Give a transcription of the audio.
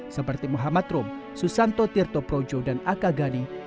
seperti muhammad rum susanto tirto projo dan akagani